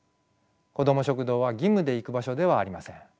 こども食堂は義務で行く場所ではありません。